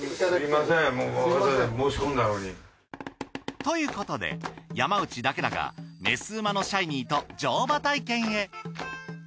すみませんもう申し込んだのに。ということで山内だけだがメス馬のシャイニーと乗馬体験へ。